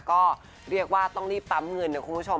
ก็เรียกว่าต้องรีบปั๊มเงินนะคุณผู้ชม